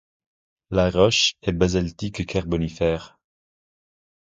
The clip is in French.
La roche est basaltique et carbonifère.